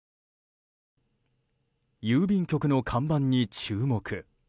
郵便局の看板に注目。